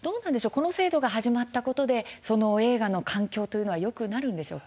この制度が始まったことで映画の環境というのはよくなるんでしょうか。